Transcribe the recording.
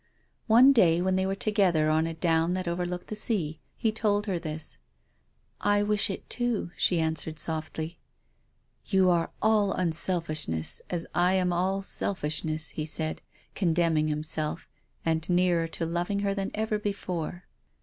One day, when they were together on a down that overlooked the sea, he told her this. " I wish it too," she answered softly. " You are all unselfishness, as I am all selfish ness," he said, condemning himself, and nearer to loving her than ever before.